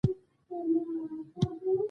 په هر برج کې دوه وسلوال ښکارېدل.